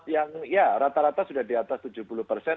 yang ya rata rata sudah di atas tujuh puluh persen